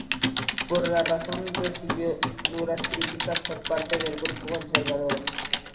Por esta razón recibió duras críticas por parte de grupos conservadores.